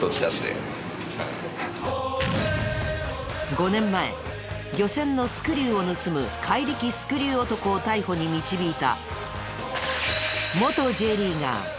５年前漁船のスクリューを盗む怪力スクリュー男を逮捕に導いた。